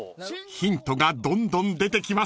［ヒントがどんどん出てきます］